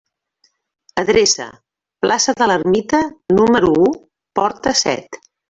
Adreça: plaça de l'Ermita, número u, porta set.